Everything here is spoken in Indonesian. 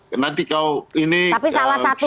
silakan langsung ke sini tapi salah satu